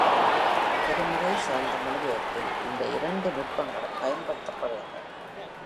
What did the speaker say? திருமறை சார்ந்த மொழிபெயர்ப்பில் இந்த இரண்டு நுட்பங்களும் பயன்படுத்தப்படுகின்றன.